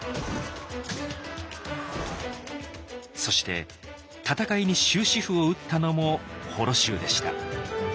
そして戦いに終止符を打ったのも母衣衆でした。